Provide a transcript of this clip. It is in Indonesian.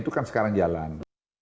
itu kan sekarang jalan